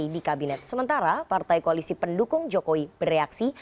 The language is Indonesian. di kabinet sementara partai koalisi pendukung jokowi bereaksi